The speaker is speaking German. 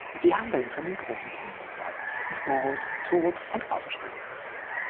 Sie handeln von den großen Themen des Daseins: Geburt, Tod und Auferstehung.